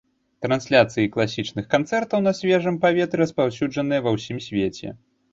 Трансляцыі класічных канцэртаў на свежым паветры распаўсюджаныя ва ўсім свеце.